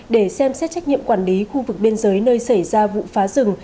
để xem xét trách nhiệm quản lý khu vực biên giới nơi xảy ra vụ phá rừng